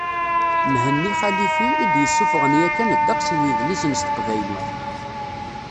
Mhenni Xalifi, i d-yessuffɣen yakan ddeqs n yidlisen s teqbaylit.